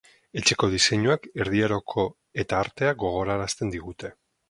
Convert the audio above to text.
Etxeko diseinuak, erdi aroko eta artea gogorarazten digute.